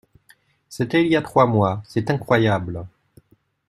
C’était il y a trois mois. C’est incroyable.